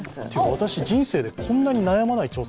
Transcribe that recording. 私、人生でこんなに悩まない調査